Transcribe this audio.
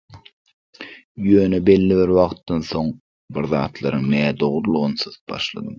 Ýöne belli bir wagtdan soň birzatlaryň nädogrydygny syzyp başladym.